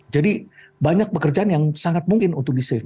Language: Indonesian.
jadi banyak pekerjaan yang sangat mungkin untuk diselamatkan